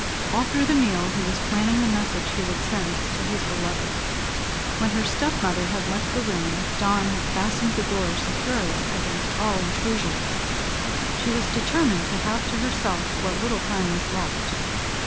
All through the meal, he was planning the message he would send to his beloved. When her step mother had left the room, Dawn had fastened the door securely against all intrusion. She was determined to have to herself what little time was left.